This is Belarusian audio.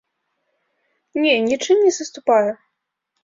Не, нічым не саступае!